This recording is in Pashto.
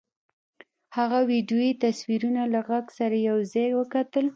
هغه ویډیويي تصویرونه له غږ سره یو ځای وکتل